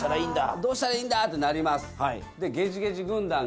どうしたらいいんだってなります。